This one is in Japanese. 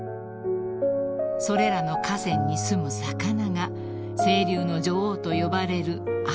［それらの河川にすむ魚が清流の女王と呼ばれる］